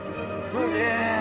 すげえ！